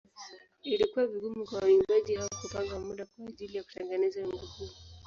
Ilikuwa vigumu kwa waimbaji hawa kupanga muda kwa ajili ya kutengeneza wimbo huu.